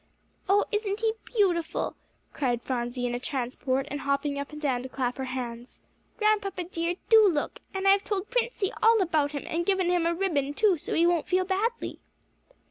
"Oh, isn't he beautiful!" cried Phronsie in a transport, and hopping up and down to clap her hands. "Grandpapa dear, do look; and I've told Princey all about him, and given him a ribbon too, so he won't feel badly."